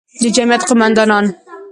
د جمعیت قوماندان،